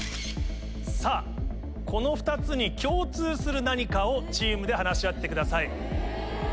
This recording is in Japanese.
さぁこの２つに共通する何かをチームで話し合ってください。